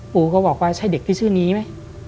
ปูก็บอกว่าใช่เด็กที่ชื่อนี้ไหม